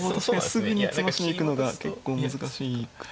すぐに詰ましに行くのが結構難しくて。